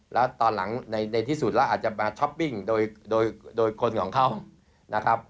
แล้วตอนหลังในที่สุดแล้วอาจจะมาช้อปปิ้งโดยคนของเขานะครับ